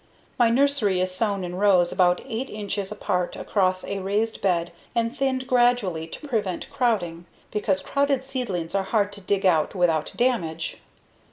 My nursery is sown in rows about 8 inches apart across a raised bed and thinned gradually to prevent crowding, because crowded seedlings are hard to dig out without damage.